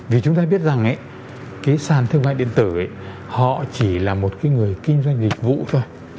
vì chúng ta biết rằng sàn thương mại điện tử chỉ là một người kinh doanh dịch vụ thôi